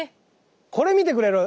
これ見てくれる？